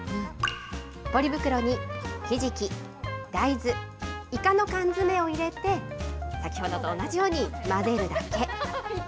ポリ袋にひじき、大豆、イカの缶詰を入れて、先ほどと同じように混ぜるだけ。